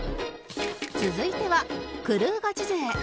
続いてはクルーガチ勢